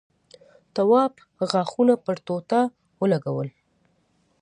تواب غاښونه پر ټوټه ولگول.